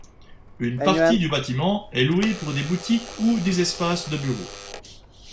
Une partie du bâtiment est loué pour des boutiques ou des espaces de bureau.